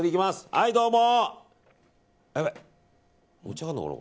はいどうも！